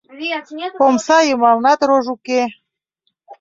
Омса йымалнат рож уке.